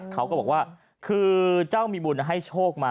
เขาก็บอกว่าคือเจ้ามีบุญให้โชคมา